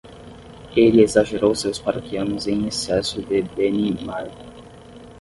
Ele exagerou seus paroquianos em excesso de Benimarco.